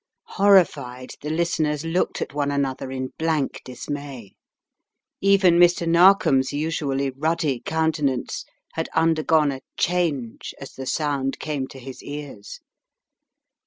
Horrified, the listeners looked at one another in blank dismay. Even Mr. Narkom's usually ruddy countenance had undergone a change as the sound came to his ears.